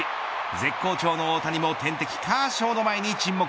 絶好調の大谷も天敵カーショーの前に沈黙。